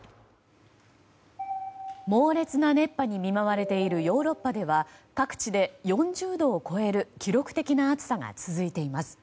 猛烈な熱波に見舞われているヨーロッパでは各地で４０度を超える記録的な暑さが続いています。